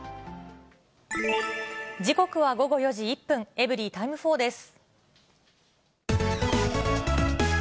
時刻は午後４時１分、エブリィタイム４です。